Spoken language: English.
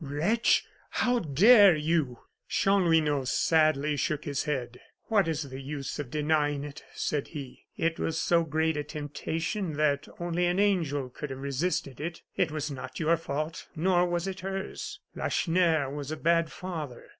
"Wretch! how dare you!" Chanlouineau sadly shook his head. "What is the use of denying it?" said he. "It was so great a temptation that only an angel could have resisted it. It was not your fault, nor was it hers. Lacheneur was a bad father.